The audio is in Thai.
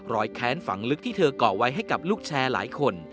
แค้นฝังลึกที่เธอก่อไว้ให้กับลูกแชร์หลายคน